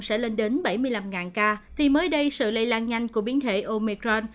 nếu dự vọng sẽ lên đến bảy mươi năm ca thì mới đây sự lây lan nhanh của biến thể omicron